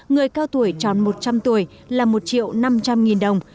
người cao tuổi tròn một trăm linh tuổi là một triệu năm trăm linh nghìn đồng